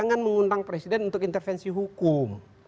jangan mengundang presiden untuk intervensi hukum